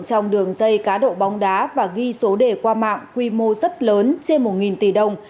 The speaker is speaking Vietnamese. trong đường dây cá độ bóng đá và ghi số đề qua mạng quy mô rất lớn trên một tỷ đồng